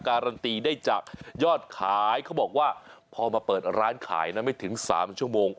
การันตีได้จากยอดขายเขาบอกว่าพอมาเปิดร้านขายนะไม่ถึง๓ชั่วโมง